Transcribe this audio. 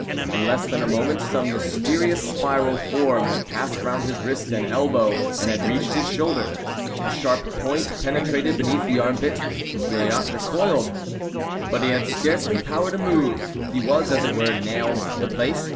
In less than a moment some mysterious spiral form had passed round his wrist and elbow, and had reached his shoulder. A sharp point penetrated beneath the armpit. Gilliatt recoiled; but he had scarcely power to move! He was, as it were, nailed to the place.